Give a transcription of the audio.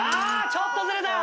ちょっとズレた！